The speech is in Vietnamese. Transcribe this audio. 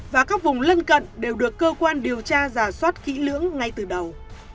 và các vùng lân cận đều được cơ quan điều tra giả soát kỹ lưỡng ngay từ đầu